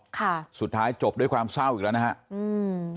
ค่ะสุดท้ายจบด้วยความเศร้าอีกแล้วนะฮะอืม